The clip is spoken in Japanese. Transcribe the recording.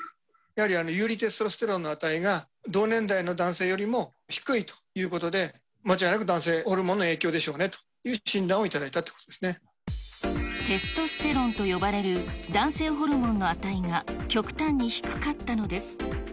やはり遊離テストステロンの値が、同年代の男性よりも低いということで、間違いなく男性ホルモンの影響でしょうねという診断をいただいたテストステロンと呼ばれる男性ホルモンの値が極端に低かったのです。